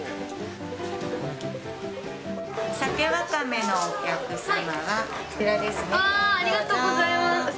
さけわかめのお客様はこちらありがとうございます。